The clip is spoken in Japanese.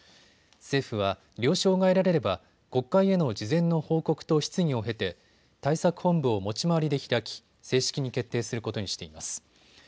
政府は了承が得られれば国会への事前の報告と質疑を経て対策本部を持ち回りで開き正式に決定することにしています。